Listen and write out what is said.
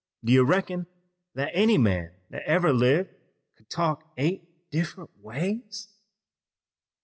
Do you reckon that any man that ever lived could talk eight different ways?"